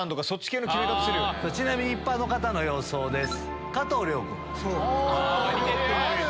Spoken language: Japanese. ちなみに一般の方の予想です。